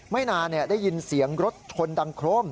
ไม่นานได้ยินเสียงรถชนดังโครม